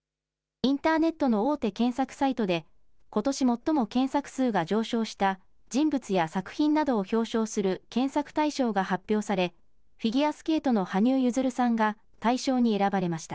インターネットの大手検索サイトでことし最も検索数が上昇した人物や作品などを表彰する検索大賞が発表されフィギュアスケートの羽生結弦さんが大賞に選ばれました。